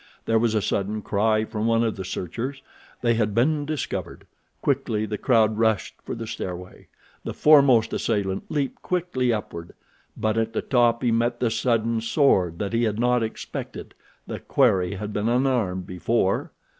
There was a sudden cry from one of the searchers. They had been discovered. Quickly the crowd rushed for the stairway. The foremost assailant leaped quickly upward, but at the top he met the sudden sword that he had not expected—the quarry had been unarmed before.